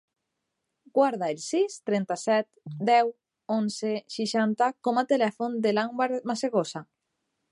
Guarda el sis, trenta-set, deu, onze, seixanta com a telèfon de l'Anwar Masegosa.